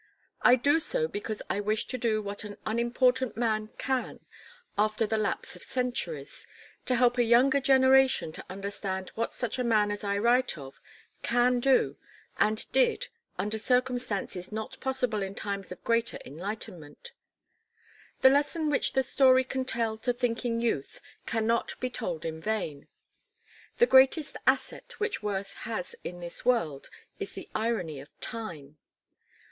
I do so because I wish to do what an unimportant man can after the lapse of centuries, to help a younger generation to understand what such a man as I write of can do and did under circumstances not possible in times of greater enlightenment. The lesson which the story can tell to thinking youth cannot be told in vain. The greatest asset which worth has in this world is the irony of time.